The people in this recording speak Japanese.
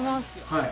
はい。